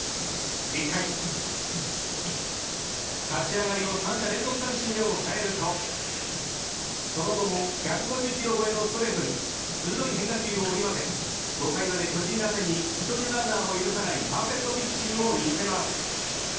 １回、立ち上がりを３者連続三振で抑えるとその後も１５０キロ超えのストレートに鋭い変化球を織り交ぜ５回まで巨人打線に１人のランナーも許さないパーフェクトピッチングを見せます。